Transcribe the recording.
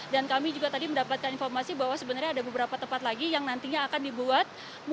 dan kami juga tadi mendapatkan informasi bahwa sebenarnya ada beberapa tempat lagi yang nantinya akan dibuat